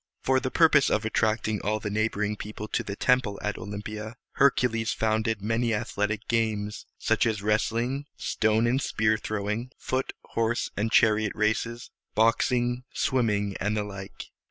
] For the purpose of attracting all the neighboring people to the temple at Olympia, Hercules founded many athletic games, such as wrestling, stone and spear throwing, foot, horse, and chariot races, boxing, swimming, and the like.